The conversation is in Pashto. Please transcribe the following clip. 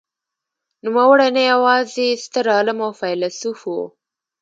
نوموړی نه یوازې ستر عالم او فیلسوف و.